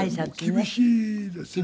厳しいですよ